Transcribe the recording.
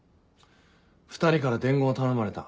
２人から伝言を頼まれた。